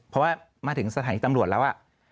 เพราะว่ามาถึงสถานีตำรวจแล้ว